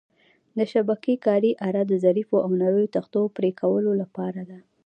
د شبکې کارۍ اره د ظریفو او نریو تختو پرېکولو لپاره ده.